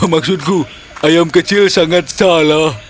maksudku ayam kecil sangat salah